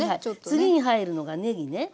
次に入るのがねぎね。